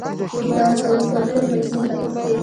و په ټول منځني ختیځ کې